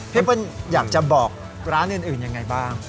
เปิ้ลอยากจะบอกร้านอื่นยังไงบ้าง